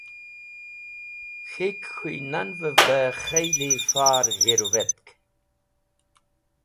K̃hik khun’vev be kheli far g̃hirũvetk.